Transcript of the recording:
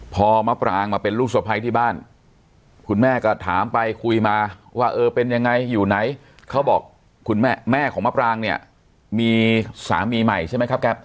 พอมะปรางมาเป็นลูกสะพ้ายที่บ้านคุณแม่ก็ถามไปคุยมาว่าเออเป็นยังไงอยู่ไหนเขาบอกคุณแม่แม่ของมะปรางเนี่ยมีสามีใหม่ใช่ไหมครับแก๊ป